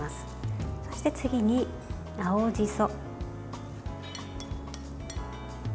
そして次に青じそ。